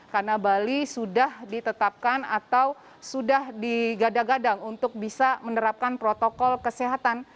karena bali sudah ditetapkan atau sudah digadang gadang untuk bisa menerapkan protokol kesehatan